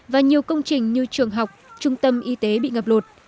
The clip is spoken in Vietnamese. và nhiều công trình như trường học trung tâm y tế bị ngập lụt